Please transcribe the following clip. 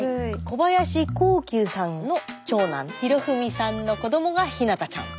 小林幸久さんの長男宏文さんの子どもがひなたちゃん。